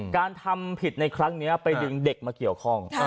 การทำผิดในครั้งนี้ไปดึงเด็กมาเกี่ยวข้อง